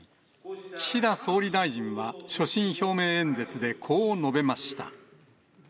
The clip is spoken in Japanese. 岸田総理大臣は、所信表明演説でこう述べました。